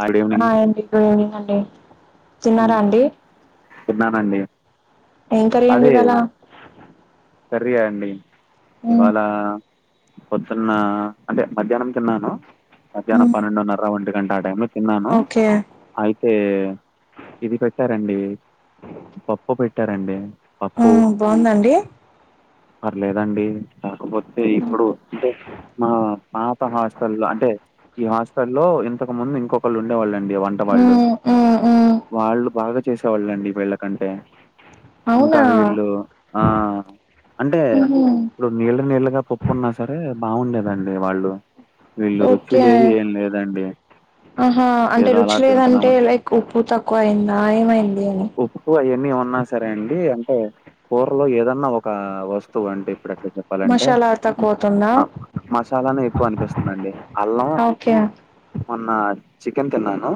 ఆ good evening అ ఎంటి ఇప్పుడేమైందండీ హుమ్ తిన్నానండి ఏం కర్రీ అండి అదే ఇవాళ కర్రీ యా అండి మ్మ్ ఇవాళ పొద్దున్న అంటే మధ్యాహ్నం తిన్నాను మధ్యాహ్నం మ్మ్ పన్నెండున్నర ఒంటి గంట ఆ టైం లో తిన్నాను ఓకే అయితే ఇది పెట్టరండి పప్పు పెట్టరండీ పప్పు బావుందా అండి పర్లేదండి కాకపోతె ఏ ఇప్పుడు అంటే మా పాత హాస్టల్ లో అంటే ఈ హాస్ట లో ఇంతకు ముందు ఇంకొకళ్ళు ఉండేవాళ్ళండి వంట వాళ్ళు మ్మ్ మ్మ్ మ్మ్ వాళ్ళు బాగా చేసేవాళ్ళన్డి వీళ్ళకంటే ఇంకా అవునా వీళ్ళు ఆ అంటే మ్మ్ ఇప్పుడు నీళ్ళ నీళ్ళగా పప్పు ఉన్నా సరే బాగుండేదండి వాళ్ళు వీల్ళు రుచి ఓకే లేదు ఏం లేదండి ఆహా అంటే ఏదో అలా రుచి లేదంటే తింటున్నామని లైక్ ఉప్పు తక్కువ అయిందా ఏమైంది అని ఎక్కువ అయాన్నీ ఉన్నా సరే అండి అంటే కూరల్లో ఏదన్నా ఒక వస్తువు అంటే ఇప్పుడు ఎట్లా చెప్పాలంటే మసాలా మ్ తక్కువ అవుతుందా అప్ మసాలానే ఎక్కువ్ అనిపిస్తుందండి అల్లం ఓకే మొన్న చికెన్ తిన్నాను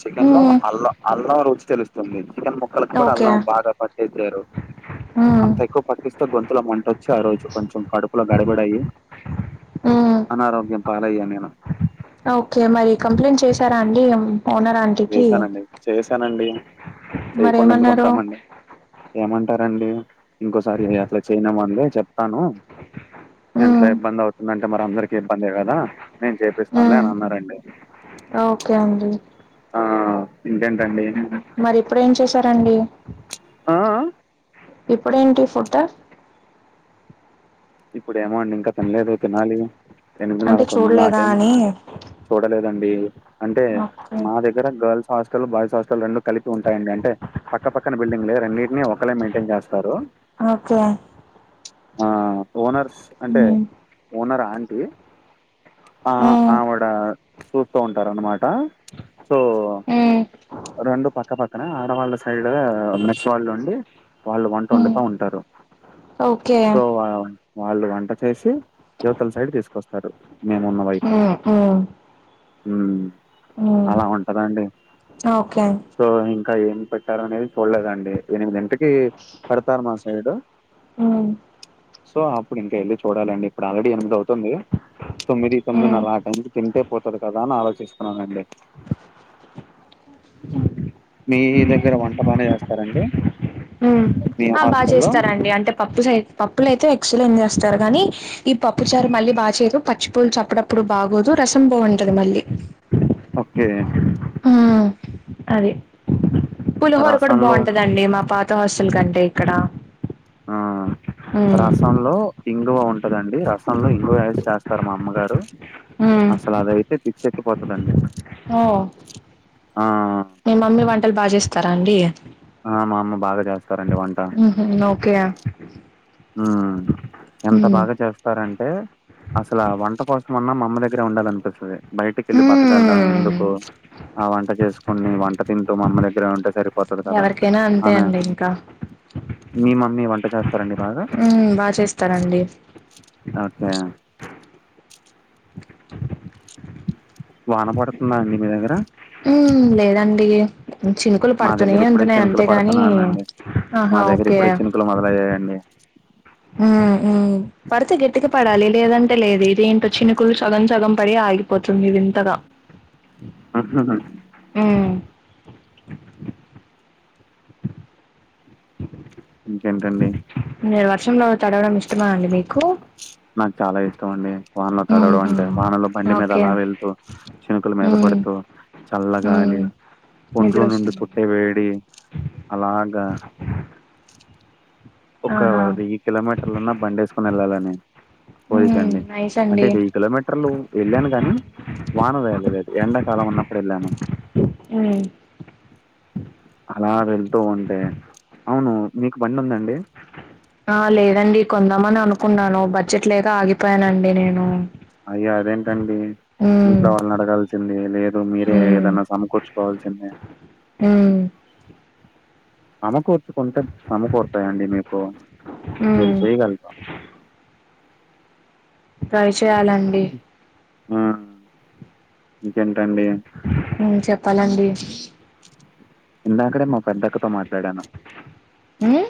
చికెన్లో మ్మ్ అల్ల అల్లమ్ రుచి తెల్స్తుంది చికెన్ బో ముక్కలకి కూడా ఓకే అల్లమ్ బాగా పట్టేన్చారు మ్మ్ అంత ఎక్కువ పట్టిస్తే గొంతుల మంటోచ్చి ఆ రోజు కొంచెం కడుపులో గడబిడయి మ్మ్ అనారోగ్యం పాలయ్యా నేను ఓకే మరి కంప్లైంట్ చేసారా అండి ఓనర్ అండి చేశానండి చేశానండి చేయకుండా మరేమన్నారు ఎందుకుంటామండి ఏమంటారంండి ఇంకోసారి అట్లా చేయనాం అందే చెప్తాను మ్మ్ ఇట్ల ఇబ్బంది అవుతుందంటే మరి అందరికి ఇబ్బందే గదా నేను చేపిస్తాన్లే మ్మ్ అని అన్నారండి ఓకే అండీ ఆ ఇంకేంటండి మరి ఇప్పుడేం చేసారండి ఆ ఆ ఇప్పుడేంటి ఫుడ్ ఇప్పుడుేమో అండి ఇంకా తినలేదు తినాలి ఎనిమిదిన్నర అంటే తొమ్మిది ఆ చూడలేదా టైం అని చూడలేదండి అంటే ఓకే మా దగ్గర గర్ల్స్ హాస్టల్ బాయ్స్ హాస్టల్ రెండూ కలిపి ఉంటాయండి అంటే పక్క పక్కన బిల్డింగ్లే రెండింటినీ ఒక్కళే మెన్టైన్ చేస్తారు ఒకే ఆ ఓనర్స్ అంటే మ్మ్ ఓనర్ ఆంటీ ఆ మ్మ్ ఆవిడ చూస్తూ ఉంటారు అనమాట సో మ్మ్ రెండు పక్క పక్కన ఆడవాళ్ళ సైడ్ మెస్ వాళ్ళు ఉండి వాళ్ళు వంట మ్మ్ వండుతా ఉంటారు ఓకే సో వ వాళ్ళు వంట చేసి యువతల సైడ్ తీస్కొస్తారు మేము ఉన్న వైపు మ్మ్ మ్మ్ ఉమ్ ఓకే సో ఇంకా ఏం పెట్టారు అనేది చూడలేదండి ఎనిమిదింటికి పెడతారు మాసైడు మ్మ్ సో అప్పుడు ఇంకా వెళ్లి చూడాలండి ఇప్పుడు ఆల్రెడీ ఎనిమిదవుతుంది తొమ్మిది మ్మ్ తొమ్మిదిన్నర ఆ టైం కి తింటే పోతాది కదా అని ఆలోచిస్తున్నానండి మీ దగ్గర వంట బానే చేస్తారా అండి హ్మ్ ఆ బా చేస్తారండి అంటే పప్పు పప్పులైతే ఎక్సలెంట్ జేస్తారు కానీ ఈ పప్పు చారు మళ్ళీ బాచేయరు పచ్చిపులుసు అప్పుడప్పుడు బాగోదు రసం బావుంటది మళ్ళీ ఓకే హ్మ్ అది పులిహోర కూడా రసంలో బాగుంటదండి మా పాత హాస్టల్ కంటే ఇక్కడ హ్మ్ ఉమ్ రసంలో ఇంగువ ఉంటదండి రసంలో ఇంగువ వేసి చేస్తారు మా అమ్మగారు ఉమ్ అసలు అదైతే చెక్కిపోతదండి ఓహ్ మీ మమ్మీ వంటలు బా చేస్తారా అండి ఆ మా అమ్మ బాగా చేస్తారండి వంట ఉహు ఓకే హ్మ్ ఎంత ఉమ్ బాగా చేస్త్ స్తారంటే అసలు ఆ వంట కోసం అన్నా మా అమ్మ దగ్గరే ఉండాలనిపిస్తది బయటకెళ్ళి బతకల్రా ఉమ్ ఎందుకు ఆ వంట చేస్కుని వంట తింటూ మామ్మ దగ్గరే ఉంటే సరిపోతది కదా ఎవరికైనా అంతే అని అండి ఇంకా మీ మమ్మీ వంట చేత్తర అండి హ్మ్ బా చేస్తారండి ఓకే వాన పడతందా అండి మీ దగ్గర హ్మ్ లేదండి చినుకులు మా పడతునే దగ్గర ఇప్పుడే ఉంటునయ్ చినుకులు అంతేగాని పడుతున్నానండి మా ఆహా దగ్గర ఒకే ఇప్పుడే చినుకులు మొదలయ్యాయండి హ్మ్ హ్మ్ పడితే గట్టిగా పడాలి లేదంటే లేదు ఇది ఏంటో చినుకులు సగం సగం పడి ఆగిపోతుంది వింతగా అటు సైడా హ్మ్ ఇంకేంటండి మీరు వర్షంలో తడవడం ఇష్టమా అండి మీకు నాకు చాలా ఇష్టం అండి వానలో తడవడం ఊహూ అంటే వానలో బండి మీద ఓకే అలా వెళ్తూ చినుకులు మీద మ్మ్ పడుతూ చల్లగాలి ఒంట్లో నిద్ర నుండి పుట్టే వేడి అలాగా ఒక ఆహా వెయ్యి కిలోమీటర్లన్నా బండేస్కోని వెళ్ళాలండి మ్మ్ కోరికండి నైస్ అంటే అండి వెయ్యి కిలోమీటర్లు వెళ్ళాను గానీ వానలో ఎలలేదు ఎండాకాలం ఉన్నప్పుడు వెళ్ళాను హ్మ్ అలా వెళ్తూ ఉంటే అవును మీకు బండి ఉందా అండి ఆ లేదండి కొందామని అనుకున్నాను బడ్జెట్ లేక ఆగిపోయానండి నేను అయ్యా అదేంటండి మ్మ్ ఇంట్లో వాళ్ళని అడగాల్సింది లేదు మీరే మ్మ్ ఏదనా సమకూర్చుకోవాల్సింది హ్మ్ ఆమకు కుంటే సమకూర్తాయండి మీకు మీరు మ్మ్ చేయగల్రు ట్రై చేయాలండి ఆ ఇంకేంటంది ఉమ్మ్ చెప్పాలండి ఇందాకడే మా పెద్దక్కతో మాట్లాడాను ఉమ్మ్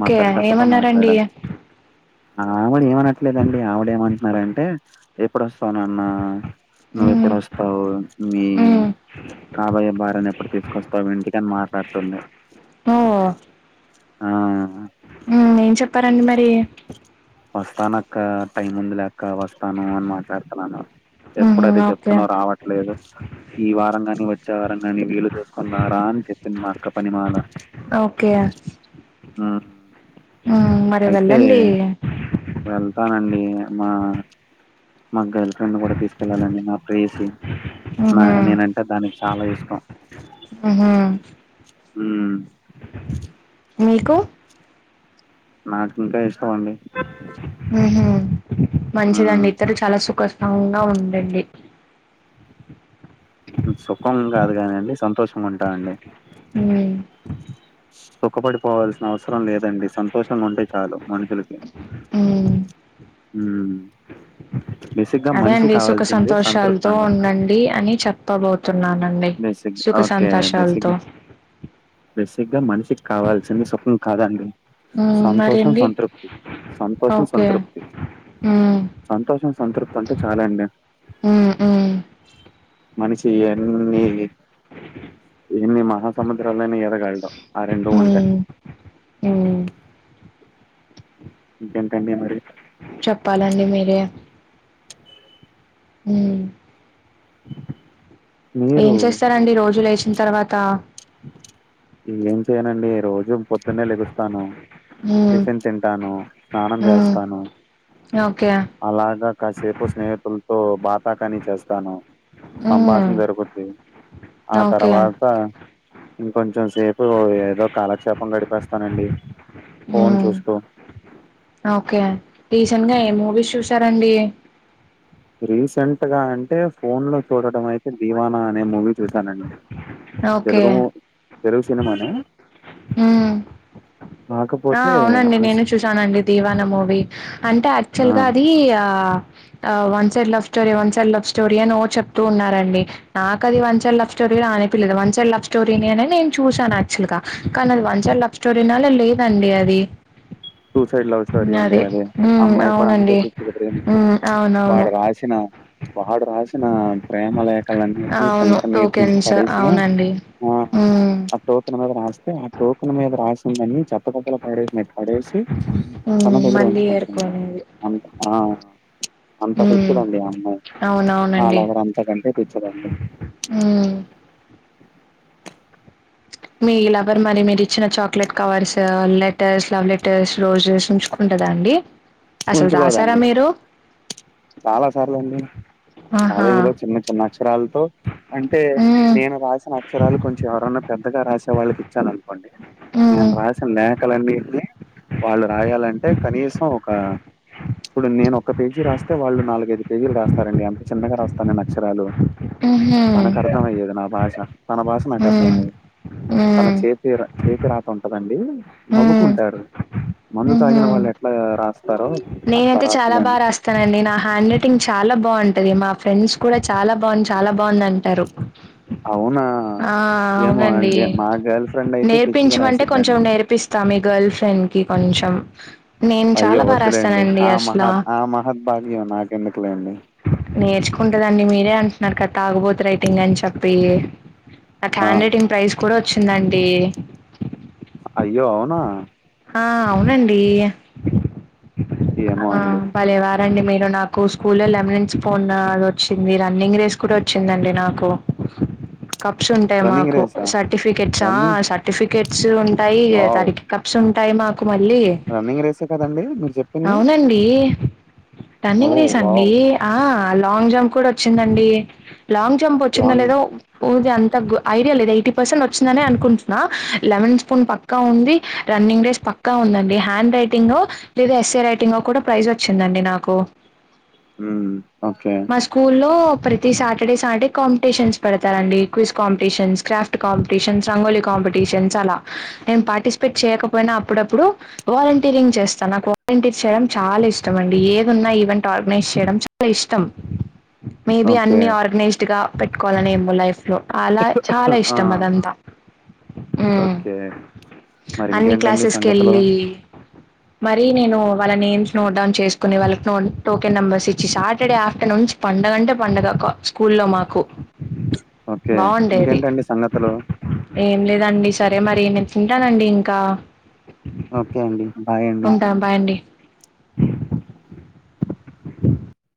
మా ఏమన్నారండి ఆవిడా ఏమనట్లేదండి ఆవిడా ఏమంటన్నారంటే ఎప్పుడోస్తావ్ నాన్న మ్మ్ నువ్వెప్పుడోస్తావ్ మీ మ్మ్ కాబోయే భార్యను ఎప్పుడు తీసుకొస్తావు ఇంటికని మాట్లాడుతుంది హో ఆ ఉమ్ ఏం చెప్పారండి మరి వస్తాను అక్క టైమ్ ఉందిలెక్క వస్త స్తాను అని మాట్లాడుతున్నాను ఊహూ ఎప్పుడదే ఓకే చెప్తున్నావు రావట్ లేదు ఈ వారం కానీ వచ్చే వారం కానీ వీలు చూసుకొని రా రా అని చెప్పింది మా అక్క పనిమాల ఓకే ఉమ్మ్ ఉమ్మ్ మరి వెళ్ళండి వెళ్తానండి మా మా గైల్ ఫ్రెండ్నీ కూడా తీసుకెళ్ళాలండి నా ప్రేయసి మ్హూ నా నేనంటే దానికి చాలా ఇష్టం ఉహు ఉమ్ మీకు నాకు ఇంకా ఇష్టం అండి ఉహు మంచిదండి మ్మ్ ఇద్దరు చాలా సుఖస్ంగా ఉండండి సుఖం కాదు కానీ అండి సంతోషంగా ఉంటామండి ఉమ్మ్ సుఖపడిపోవల్సిన అవసరం లేదండి సంతోషంగా ఉంటె చాలు మనుషులకి ఉమ్మ్ ఉమ్మ్ అదే అండి సుఖ కావాల్సింది సంతృప్తి సంతోషాలతో అండి ఉండండి అని చెప్ చెప్పాబోతున్నానండి బేసిక్ సుఖ సంతోషాలతో బేసిగ్గా మనిషికి కావాల్సింది సుఖం కాదండి మ్మ్ సంతోషం మరండి సంతృప్తి సంతోషం ఓకే సంతృప్తి మ్మ్ సంతోషం సంతృప్తి అంటే చాలు అండి ఉమ్మ్ ఉమ్ మనిషి ఎన్ ఇన్ని ఎన్ని మహాసముద్రాలనా ఇదగాలడు ఆ రెండు ఉంటే ఉమ్మ్ ఇంకేంటండి మరి చెప్పాలండి మీరే ఉమ్మ్ మీరు ఏం చేస్తారండి రోజు లేచిన తర్వాత ఏం చెయనండి రోజు పొద్దున్నే లెగుస్తాను మ్మ్ టిఫిన్ తింటాను స్నానం మ్మ్ చేస్తాను ఓకే అలాగా కాసేపు స్నేహితులతో బాతాకానీ చేస్తాను హ్మ్ సంభాషణ జరుగుద్ది ఆ ఓకే తర్వాత కొంచెం సేపు ఏదో కాలక్షేపం గడిపేస్తానండి ఫోన్ హ్మ్ చూస్తూ ఓకే రీసెంట్ గా ఏం మూవీస్ చూసారండి రీసెంట్ గా అంటే ఫోన్ లో చూడడం అయితే దివానా అనే మూవీ చూసానండి ఓకే తెలుగు ము తెలుగు సినిమానే మ్మ్ ఆ కాకపోతే అవునండి ఆ నేను సి- చూసానండి దీవాన మూవీ అంటే ఆ యాక్చుల్ గా అది ఆ ఆ one side love story one side love story అని ఓ చెప్తూ ఉన్నారండి నాకది వన్ చడ్ లవ్స్టోరీ గా అని పిల్లేదు వన్ చడ్ లవ్ స్టోరీ నే నేను చూశానుయాక్చుల్ గ కానీ అది వన్ సైడ్ ల తోరినాల లేదండి అది సూసైడ్ లవ్ స్టోరీ అండి అది హ్మ్ అమ్మాయి కూడా అంతే అవునండి పిచ్చిగ ప్రేమింస్థది హ్మ్ అవునవును వాడు రాసిన వాడు రాసిన ప్రేమ లేఖలన్నింట్ని చిన్న చిన్నగా చింపి పడేసిన ఆ అ ఆ టోకెన్ మీద రాస్తే ఆ టోకెన్ మీద రాసిందని చెత్తకుప్పలో పడేసినట్టు పడేస్ ఉమ్ తన దగ్గరే మళ్ళీ ఉంచుకుంటున్ది ఏరుకోనేది అంత ఆ అంత ఉమ్ పిచిదండి ఆ అమ్మాయి అవునవునండి నాలవర్ అంతకంటే పిచిదండి మ్మ్ మీ లవర్ మరి మీరు ఇచ్చిన chocolate covers letters love letters roses ఉంచ్ అప్ ఉంటదా అండి అసలు రాసారా గుంచుకోదండి మీరు చాలా సార్లండి ఆహా కాలేజీ లో చిన్న చిన్న అక్షరాలతో అంటే ఉమ్ నేను రాసిన చ్చరాలు కొంచం ఎవరైనా పెద్దగా రాసే వాళ్ళకి ఇచ్చాననుకోండి నేను ఉమ్ రాసిన లేఖలన్నిట్నీ వాళ్ళు రాయాలంటే కనీసం ఒక ఇప్పుడు నేను ఒక పేజీ రాస్తే వాళ్ళు నాలుగైదు పేజీలు రాస్తారండి అంత చిన్నగా రాస్తా నేన్ అక్షరాలు ఉహూ తనకర్థమయ్యేది నా భాష తన భాష నాకు ఉమ్ అర్థమయ్యేది తన ఉమ్ చేతి ర చేతి రాత ఉంటదండి ఉమ్ నవ్వుకుంటారు మందు ఉహూ తాగిన వాళ్ళు ఎట్లా రాస్ నేనైతే చాలా బా రా స్తానండి నా హ్యాండ్ రైటింగ్ చాలా బావుంటది మా ఫ్రెండ్స్ కూడా చాలా బావు చాలా బావుంది అంటారు అవునా ఆ ఏమో అవునండి అండి మా గర్ల్ ఫ్రెండ్ అయితే పిచ్చిగా నేర్పించమంటే రాసిద్దండి కొంచం నేర్ ప్పిస్తా మీ గర్ల్ ఫ్రెండ్ కి కొంచెం నేను అయ్యో చాలా బాగా వదులెండి రాస్తానండి ఆ అసలా మహా ఆ మహద్భాగ్యం నాకెందుకులేండి నేర్చుకుంటదండి మీరే అంటున్నారు కదా తాగుబోతు రైటింగ్ అని చెప్పి నాక్ ఆ హ్యాండ్ రైటింగ్ ప్రైస్ కూడా వచ్చిందండి అయ్యో అవునా హా అవునండి ఏమో ఆ అండి భలేవార్ దండి మీరు నాకు స్కూల్లో లెమనిన్స్ పోన్ వచ్చింది రన్నింగ్ రేస్ కూడా వచ్చిందండి నాకు కప్స్ ఉంటాయి రన్నింగ్ మాకు రేసా సర్టిఫికెట్సా రన్నింగ్ సర్టిఫికెట్స్ ఉంటాయి వావ్ దడికి కప్స్ ఉంటాయి మాకు మళ్ళీ రన్నింగ్ రేసే కదండి మీరు చెప్పింది ఇండి ఓ టన్నింగ్ రేస అండి వావ్ ఆ లాంగ్ జంప్ కూడా వచ్చిందండి లాంగ్ జంప్ వచ్చిందొ లాంగ్ లేదో ఊది అంతా ఐడియా లేదు ఎయిటీ పర్సెంట్ వచ్చిందనే అనుకుంటున్నా లెమన్ స్పూన్ పక్కా ఉంది రన్నింగ్ రడేస్ పక్కా ఉందండి హ్యాండ్ రైటింగు లేదా ఎస్ఏ రైటింగ్లో కూడా ప్రైజ్ వచ్చిందండి నాకు ఉమ్ ఓకే మా స్కూల్లో ప్రతి సాటర్డే సాటర్డే కాంపిటీషన్స్ పెడతారండి quiz competitions craft competitions rangoli competitions అలా నేను పార్టిసిపేట్ చేయకపోయినా అప్పుడప్పుడు వాలంటీరింగ్ చేస్తా నాకు వాలంటీర్ చేయడం చాలా ఇష్టంమండి ఏదున్నా ఈవెంట్ ఆర్గనైజ్ చేయడం చాలా ఇష్టం మేబి ఓకే అన్ని ఆర్గనైజ్డ్గా పెట్టుకోవాలనేమో లైఫ్ లో అలా చాలా చాలా ఆ ఇష్టం అదంతా ఉమ్. ఓకే మరి అన్ని ఇంకేంటండి క్లాసెస్కి సంగతులు ఎళ్ళి మరి నేను వాళ్ళ నేమ్స్ నోట్ డౌన్ చేసుకోని వాళ్ళక్ నోన్ టోకెన్ నెంబర్స్ ఇచ్చి సాటర్డే ఆఫ్టర్నూన్ పండగ అంటే పండగ క స్కూల్లో మాకు ఓకే బాగుండేది ఇంకేంటండి సంగతులు ఏం లేదండి సరే మరి నే తింటానండి ఇంకా ఓకే అండి బాయ్ అండి ఆ బాయ్ అండి [unintelligible]